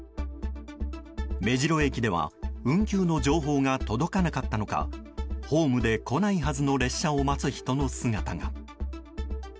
目白駅では運休の情報が届かなかったのかホームで、来ないはずの列車を待つ人の姿が。